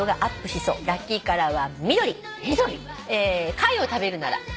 「貝を食べるなら」